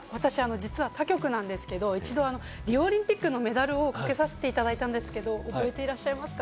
他局なんですけれども、リオオリンピックのメダルをかけさせていただいたんですけれども、覚えてらっしゃいますか？